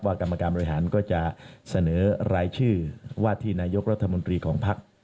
กรรมการบริหารก็จะเสนอรายชื่อว่าที่นายกรัฐมนตรีของภักดิ์